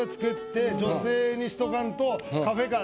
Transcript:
女性にしとかんと。